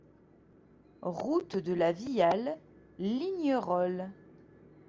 Route de la Viale, Lignerolles